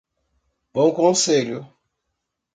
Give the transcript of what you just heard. Bom Conselho